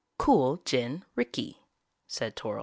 "Cool gin rick ey," said Toryl.